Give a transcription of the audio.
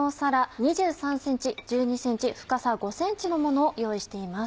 ２３ｃｍ１２ｃｍ深さ５ｃｍのものを用意しています。